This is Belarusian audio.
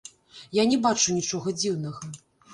Я не бачу нічога дзіўнага.